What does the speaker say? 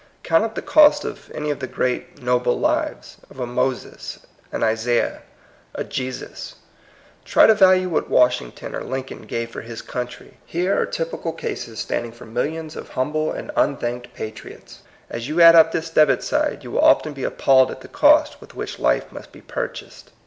Count up the cost of any of the great, noble lives, — of a Moses, an Isaiah, a Jesus I Try to value what Washington or Lincoln gave for his country. Here are typical cases standing for millions of humble and unthanked pa triots. As you add up. this debit side, you will often be appalled at the cost with which life must be purchased.